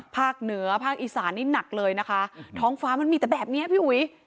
ภาคเหนือภาคอีสานนี่หนักเลยนะคะท้องฟ้ามันมีแต่แบบเนี้ยพี่อุ๋ย